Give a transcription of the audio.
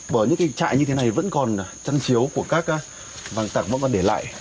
bởi những cái trại như thế này vẫn còn trang chiếu của các vàng tặc mà còn để lại